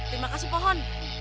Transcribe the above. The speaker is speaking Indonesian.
terima kasih pohon